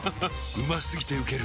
うま過ぎてウケる